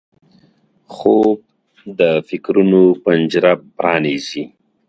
خوب د فکرونو پنجره پرانیزي